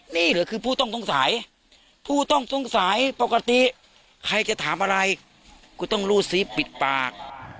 นี่เหรอคือผู้ต้องสงสัยผู้ต้องสงสัยปกติใครจะถามอะไรกูต้องรู้สิปิดปาก